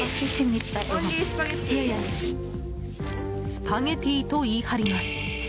スパゲティと言い張ります。